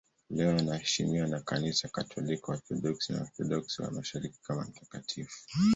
Leo anaheshimiwa na Kanisa Katoliki, Waorthodoksi na Waorthodoksi wa Mashariki kama mtakatifu.